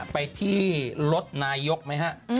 ไปที่รถนายกไหมฮะ